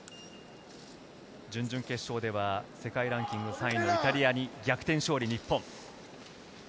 準々決勝では世界ランキング３位のイタリアに逆転勝利、日本。